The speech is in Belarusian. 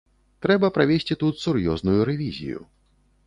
Трэба правесці тут сур'ёзную рэвізію.